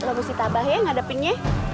lo mesti tambah ya ngadepinnya